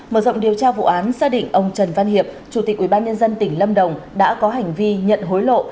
mở rộng điều tra vụ án xác định ông trần văn hiệp chủ tịch ubnd tỉnh lâm đồng đã có hành vi nhận hối lộ